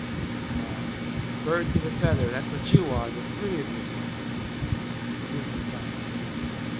He smiled. "Birds of a feather, that's what you are the three of you." The room was silent.